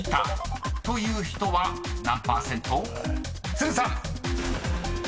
［都留さん］